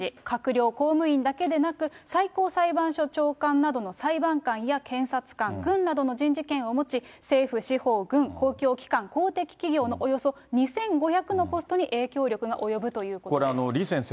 閣僚、公務員だけでなく、最高裁判所長官などの裁判官や検察官、軍などの人事権を持ち、政府、司法、軍、公共機関、公的企業のおよそ２５００のポストに影響力が及ぶということです。